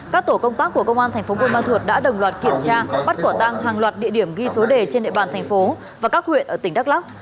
các tổ công tác của công an tp bunman thuột đã đồng loạt kiểm tra bắt quả tăng hàng loạt địa điểm ghi số đề trên địa bàn thành phố và các huyện ở tỉnh đắk lắc